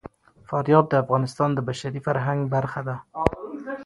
فاریاب د افغانستان د بشري فرهنګ برخه ده.